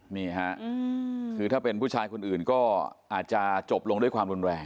นี่ฮะคือถ้าเป็นผู้ชายคนอื่นก็อาจจะจบลงด้วยความรุนแรง